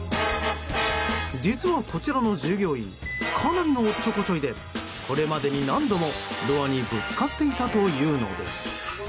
実はこちらの従業員かなりのおっちょこちょいでこれまでに何度もドアにぶつかっていたというのです。